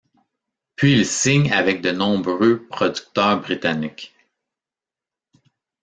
Puis il signe avec de nombreux producteurs britanniques.